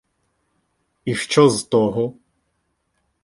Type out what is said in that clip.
І що з того?